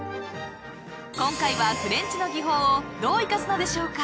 ［今回はフレンチの技法をどう生かすのでしょうか？］